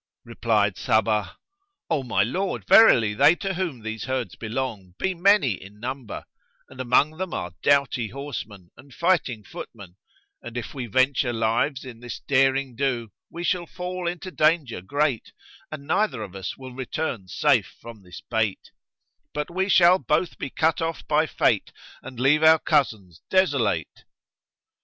Replied Sabbah, "O my lord, verily they to whom these herds belong be many in number; and among them are doughty horsemen and fighting footmen; and if we venture lives in this derring do we shall fall into danger great and neither of us will return safe from this bate; but we shall both be cut off by fate and leave our cousins desolate."